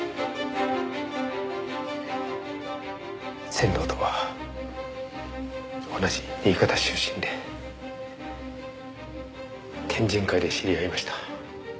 仙堂とは同じ新潟出身で県人会で知り合いました。